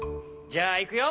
じゃあいくよ！